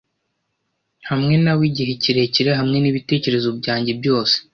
hamwe na we igihe kirekire hamwe nibitekerezo byanjye byose